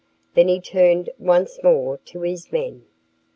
Then he turned once more to his men.